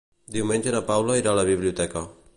Diumenge na Paula irà a la biblioteca.